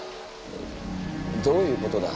どういうことだ？